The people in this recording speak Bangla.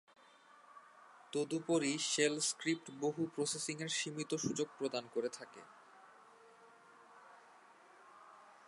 তদুপরি শেল স্ক্রিপ্ট বহু-প্রসেসিং এর সীমিত সুযোগ প্রদান করে থাকে।